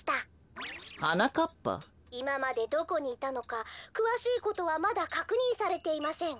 「いままでどこにいたのかくわしいことはまだかくにんされていません」。